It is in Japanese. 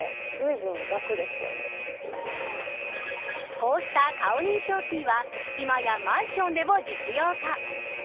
こうした顔認証キーは今やマンションでも実用化。